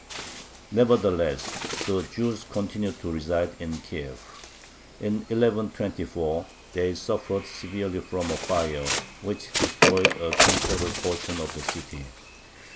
Nevertheless the Jews continued to reside in Kiev. In 1124 they suffered severely from a fire which destroyed a considerable portion of the city.